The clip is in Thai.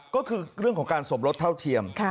ก็คือเรื่องของการสมรสเท่าเทียม